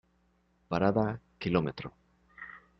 Parada Km.